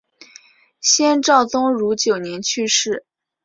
先赵宗儒九年去世。